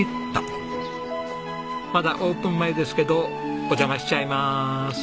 まだオープン前ですけどお邪魔しちゃいます。